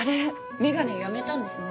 メガネやめたんですね。